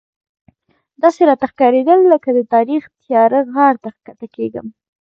داسې راته ښکارېدل لکه د تاریخ تیاره غار ته ښکته کېږم.